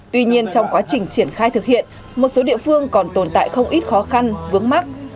tuy nhiên trong quá trình triển khai thực hiện một số địa phương còn tồn tại không ít khó khăn vướng mắt